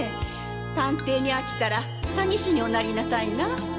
探偵に飽きたら詐欺師におなりなさいな。